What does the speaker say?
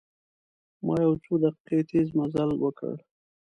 ما یو څو دقیقې تیز مزل وکړ.